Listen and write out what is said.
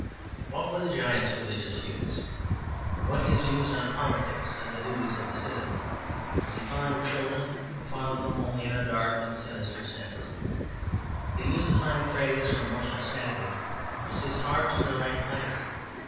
What were the giant's religious views; what his views on politics and the duties of the citizen? Was he fond of children or fond of them only in a dark and sinister sense? To use a fine phrase for emotional sanity, was his heart in the right place?